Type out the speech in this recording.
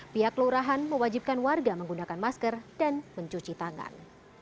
pihak kelurahan mewajibkan warga menggunakan masker dan mencuci tangan